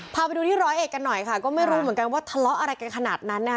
พาไปดูที่ร้อยเอ็ดกันหน่อยค่ะก็ไม่รู้เหมือนกันว่าทะเลาะอะไรกันขนาดนั้นนะคะ